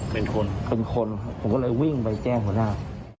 เป็นคนเป็นคนผมก็เลยวิ่งไปแจ้งหัวหน้า